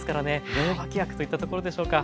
名脇役といったところでしょうか。